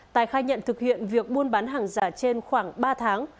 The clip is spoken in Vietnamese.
tài khai nhận thực hiện việc buôn bán hàng giả trên khoảng ba tháng